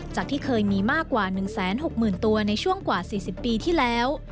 ที่เคยมีมากกว่า๑๖๐๐๐ตัวในช่วงกว่า๔๐ปีที่แล้ว